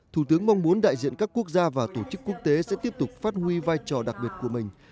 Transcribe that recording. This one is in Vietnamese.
thủ tướng mong muốn đại diện các quốc gia và tổ chức quốc tế sẽ tiếp tục phát huy vai trò đặc biệt của mình